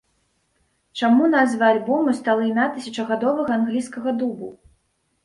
Чаму назвай альбому стала імя тысячагадовага англійскага дубу?